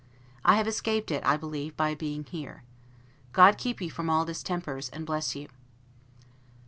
I have escaped it, I believe, by being here. God keep you from all distempers, and bless you!